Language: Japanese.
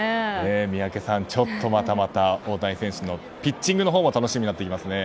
宮家さん、ちょっとまたまた大谷選手のピッチングのほうも楽しみになってきますね。